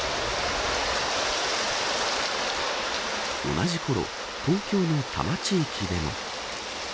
同じころ、東京の多摩地域でも。